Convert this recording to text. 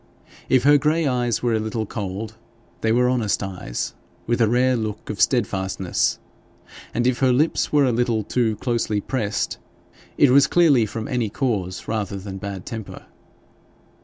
If her grey eyes were a little cold, they were honest eyes, with a rare look of steadfastness; and if her lips were a little too closely pressed, it was clearly from any cause rather than bad temper.